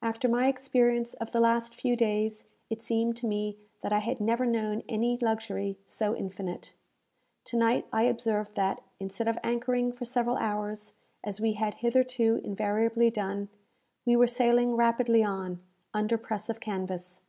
After my experience of the last few days, it seemed to me that I had never known any luxury so infinite. To night I observed that, instead of anchoring for several hours, as we had hitherto invariably done, we were sailing rapidly on, under press of canvass.